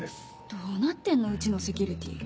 どうなってんのうちのセキュリティー。